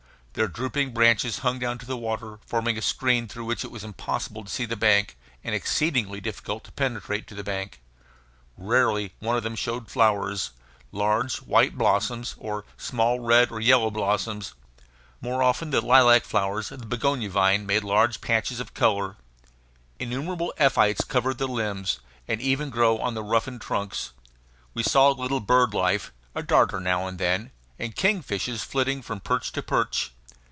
Their drooping branches hung down to the water, forming a screen through which it was impossible to see the bank, and exceedingly difficult to penetrate to the bank. Rarely one of them showed flowers large white blossoms, or small red or yellow blossoms. More often the lilac flowers of the begonia vine made large patches of color. Innumerable epiphytes covered the limbs, and even grew on the roughened trunks. We saw little bird life a darter now and then, and kingfishers flitting from perch to perch.